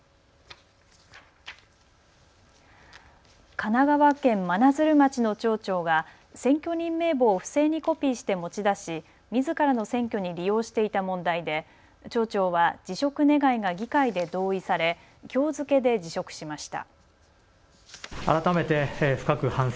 神奈川県真鶴町の町長が選挙人名簿を不正にコピーして持ち出し、みずからの選挙に利用していた問題で町長は辞職願いが議会で同意されきょう付けで辞職しました。